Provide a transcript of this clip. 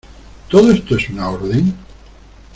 ¿ todo esto es una orden?